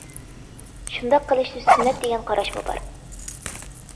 شۇنداق قىلىشنى سۈننەت دېگەن قاراشمۇ بار.